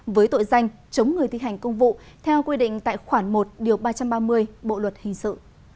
với tội danh chống người thi hành công vụ theo quy định tại khoản một điều ba trăm ba mươi bộ luật hình sự